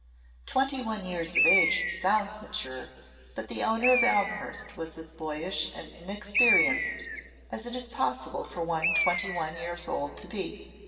Twenty one years of age sounds mature, but the owner of Elmhurst was as boyish and inexperienced as it is possible for one twenty one years old to be.